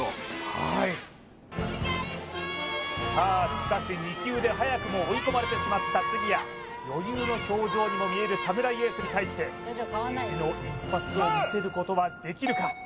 はいさあしかし２球で早くも追い込まれてしまった杉谷余裕の表情にも見えるサムライエースに対して意地の一発を見せることはできるか？